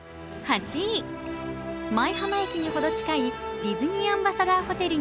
舞浜駅にほど近いディズニーアンバサダーホテルに